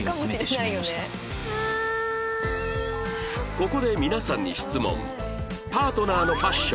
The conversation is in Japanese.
ここで皆さんに質問